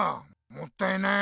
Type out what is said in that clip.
もったいない。